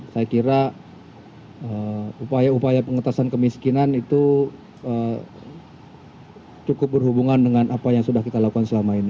saya kira upaya upaya pengetasan kemiskinan itu cukup berhubungan dengan apa yang sudah kita lakukan selama ini